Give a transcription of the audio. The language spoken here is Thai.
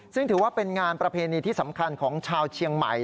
ซึ่งถือว่าเป็นงานประเพณีที่สำคัญของชาวเชียงใหม่